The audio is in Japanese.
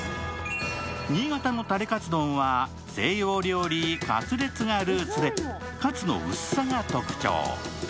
新潟のタレカツ丼は西洋料理カツレツがルーツでカツの薄さが特徴。